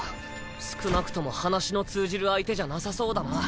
少なくとも話の通じる相手じゃなさそうだな。